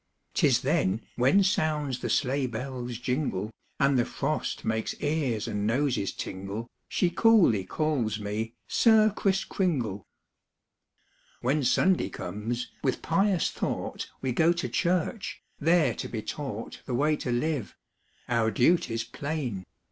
'Tis then when sounds the sleigh bell's jingle And the frost makes ears and noses tingle, She coolly calls me 'Sir Kriss Kringle.'" Copyrighted, 18U7 c^^aHEN Sunday comes, with pious thought We go to church, there to be taught The way to live, our duties plain.